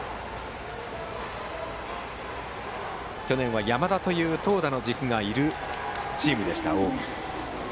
去年は山田という投打の軸がいるチームでした近江。